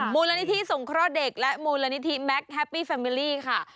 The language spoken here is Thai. มูลนิธิสงเคราะห์เด็กและมูลนิธิแม็กซแฮปปี้แฟมิลี่ค่ะ